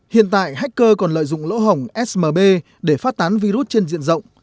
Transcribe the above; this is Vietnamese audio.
hiện tại hacker còn lợi dụng lỗ hồng smb để phát tán virus trên diện rộng